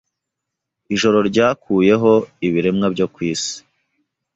Ijoro ryakuyeho ibiremwa byo ku isi